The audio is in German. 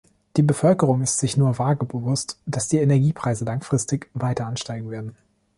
Die Bevölkerung ist sich nur vage bewusst, dass die Energiepreise langfristig weiter ansteigen werden.